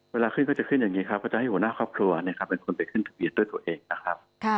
เวลาขึ้นก็จะขึ้นอย่างนี้ครับก็จะให้หัวหน้าครอบครัวเป็นคนไปขึ้นทะเบียนด้วยตัวเองนะครับ